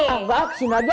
enggak kesini aja